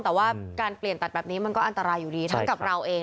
แต่การเปลี่ยนแบบนี้ก็อันตรายทั้งกับเราเอง